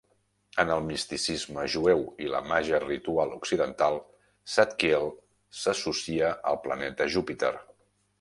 En el misticisme jueu i la màgia ritual occidental, Zadkiel s'associa al planeta Júpiter.